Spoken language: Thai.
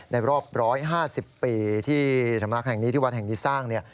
ในรอบ๑๕๐ปีที่ธรรมนักแห่งนี้ที่วันแห่งนี้สร้าง